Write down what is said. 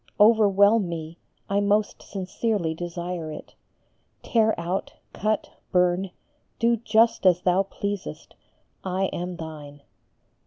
Overwhelm me, I most sincerely desire it. Tear out, cut, burn, do just as Thou pleasest, I am Thine."